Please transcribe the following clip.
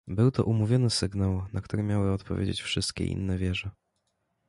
"Był to umówiony sygnał, na który miały odpowiadać wszystkie inne wieże."